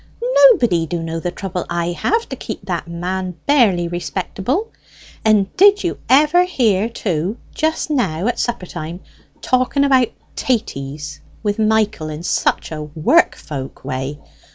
Nobody do know the trouble I have to keep that man barely respectable. And did you ever hear too just now at supper time talking about 'taties' with Michael in such a work folk way.